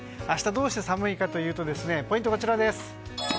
明日、どうして寒いかというとポイント、こちらです。